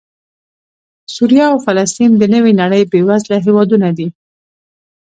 سوریه او فلسطین د نوې نړۍ بېوزله هېوادونه دي